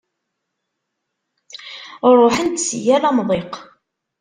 Ṛuḥen-d si yal amḍiq.